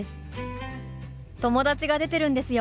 友達が出てるんですよ。